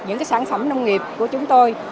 những sản phẩm nông nghiệp của chúng tôi